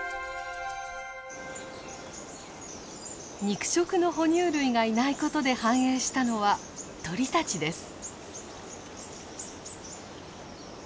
肉食の哺乳類がいないことで繁栄したのは鳥たちです。